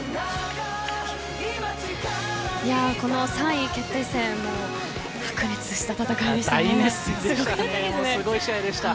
３位決定戦も白熱した戦いでした。